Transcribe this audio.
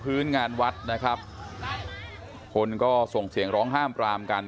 พื้นงานวัดนะครับคนก็ส่งเสียงร้องห้ามปรามกัน